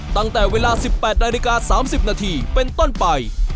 ตั้งแต่เวลา๑๘นาฬิกา๓๐นาทีเป็นต้นไป